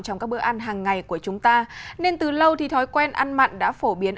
trong các bữa ăn hàng ngày của chúng ta nên từ lâu thì thói quen ăn mặn đã phổ biến